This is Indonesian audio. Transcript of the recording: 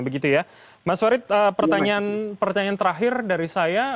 mas warid pertanyaan terakhir dari saya